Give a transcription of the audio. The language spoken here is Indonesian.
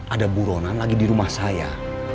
ada buronan lagi di rumah saya